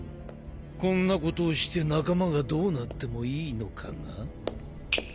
こんなことをして仲間がどうなってもいいのかな？